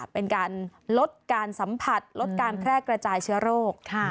เป็นการลดการสัมผัสลดการแพร่กระจายเชื้อโรค